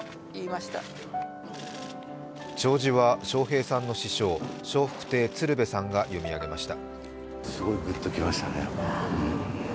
弔辞は笑瓶さんの師匠、笑福亭鶴瓶さんが読み上げました。